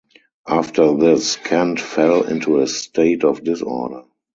After this, Kent fell into a state of disorder.